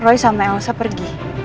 roy sampai elsa pergi